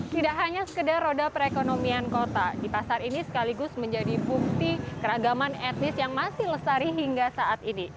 tidak hanya sekedar roda perekonomian kota di pasar ini sekaligus menjadi bukti keragaman etnis yang masih lesari hingga saat ini